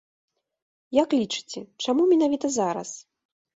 Як лічыце, чаму менавіта зараз?